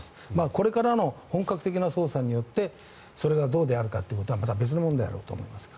これからの本格的な捜査によってそれがどうであるかということはまた別の問題だと思います。